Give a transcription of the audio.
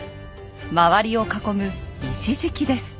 周りを囲む石敷きです。